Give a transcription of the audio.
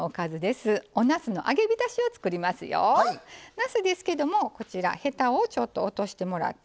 なすですけどもこちらヘタをちょっと落としてもらって。